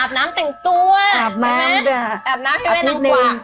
อาบน้ำแต่งต้วยไม่ใช่ไหมอาบน้ำให้แม่นางฝัก